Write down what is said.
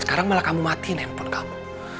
sekarang malah kamu matiin handphone kamu